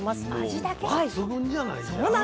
もう抜群じゃないじゃあ。